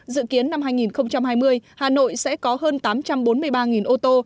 dự kiến năm hai nghìn hai mươi hà nội sẽ có hơn tám trăm bốn mươi ba ô tô